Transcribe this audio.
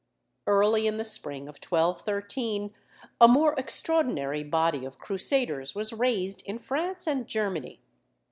Early in the spring of 1213 a more extraordinary body of Crusaders was raised in France and Germany.